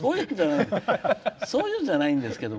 そういうんじゃないんですけど。